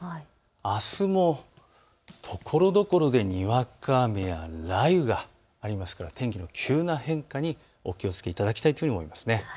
あすもところどころでにわか雨や雷雨がありますから天気の急な変化にお気をつけいただきたいと思います。